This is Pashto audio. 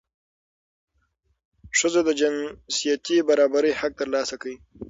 ښځو د جنسیتي برابرۍ حق ترلاسه کړ.